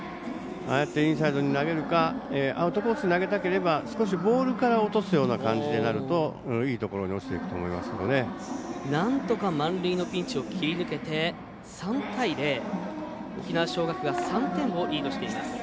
ああやってインサイドに投げるかアウトコースに投げたければ少しボールから落とすような感じになるといいところに落ちていくとなんとか満塁のピンチを切り抜けて３対０、沖縄尚学が３点をリードしています。